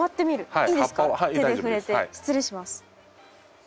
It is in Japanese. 失礼します。